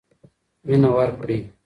مینه ورکړئ.